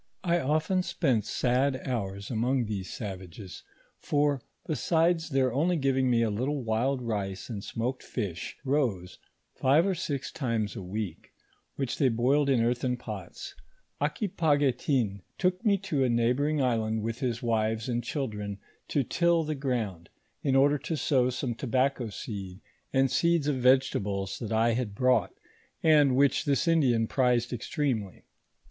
127 I often spent sad bonra among these savnges ; for, oesides their only giving me a little wild rice and smoked fish roes five or six times a week, which they boiled in earthen pots, Aquipaguetin took me to a neighboring island with his M'ivos and children to till tlio ground, in order to sow some tobacco seed, and seeds of vegetables that I had brought, and which this Indian prized extremely.